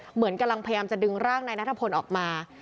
เหมือนกำลังพยายามจะดึงร่างนายนัทพลออกมา